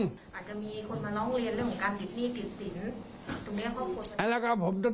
อาจจะมีคนมาร้องเรียนเรื่องของการผิดหนี้ผิดสิน